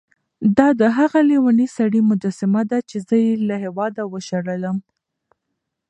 دا د هغه لېوني سړي مجسمه ده چې زه یې له هېواده وشړلم.